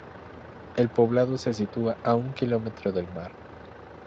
El poblado se sitúa a un kilómetro del mar.